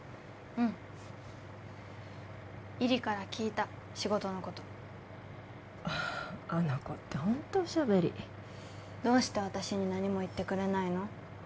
うん依里から聞いた仕事のことあの子ってホントおしゃべりどうして私に何も言ってくれないの？